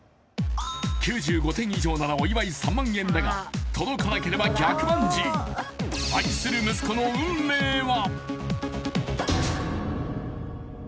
９５点以上ならお祝い３万円だが届かなければ逆バンジー愛する息子の運命は？